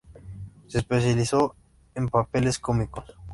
Se especializó en papeles cómicos.